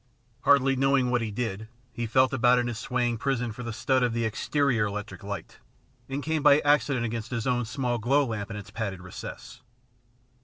Hardly knowing what he did, he felt about in his swaying prison for the stud of the exterior electric light, and came by accident against his own small IN THE ABYSS 87 glow lamp in its padded recess.